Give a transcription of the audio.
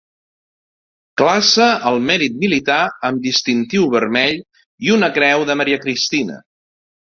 Classe al Mèrit Militar amb distintiu vermell i una Creu de Maria Cristina.